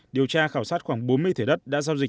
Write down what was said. điều tra khảo sát khoảng bốn mươi thửa đất đã giao dịch